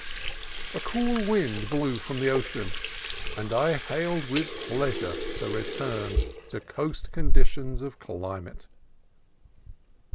A cool wind blew from the ocean, and I hailed with pleasure the return to coast conditions of climate.